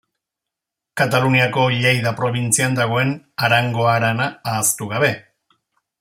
Kataluniako Lleida probintzian dagoen Arango harana ahaztu gabe.